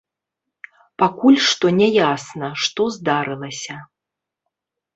Пакуль што не ясна, што здарылася.